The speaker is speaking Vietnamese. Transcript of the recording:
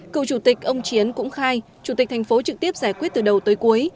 cựu chủ tịch ông chiến cũng khai chủ tịch thành phố trực tiếp giải quyết từ đầu tới cuối